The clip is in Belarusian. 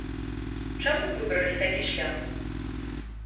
Чаму выбралі такі шлях?